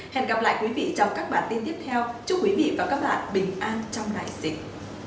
hẹn gặp lại quý vị trong các bản tin tiếp theo chúc quý vị và các bạn bình an trong đại dịch